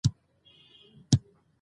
پرېکړې چې حساب شوي وي باور زیاتوي